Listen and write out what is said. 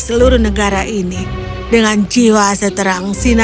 alice dikatakan sebagai orang yang paling baik hati yang ada di dunia